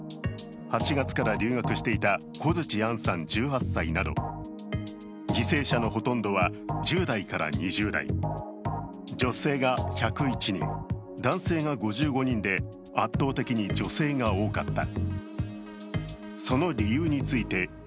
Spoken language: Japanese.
８月から留学していた小槌杏さん１８歳など、犠牲者のほとんどは１０代から２０代、女性が１０１人、男性が５５人で圧倒的に女性が多かった。